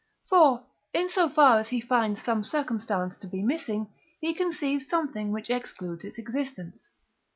For, in so far as he finds some circumstance to be missing, he conceives something which excludes its existence.